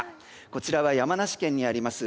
こちらは山梨県にあります